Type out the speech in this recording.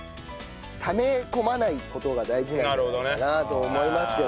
ため込まない事が大事なんじゃないかなと思いますけどね。